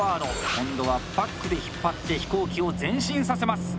今度は、バックで引っ張って飛行機を前進させます。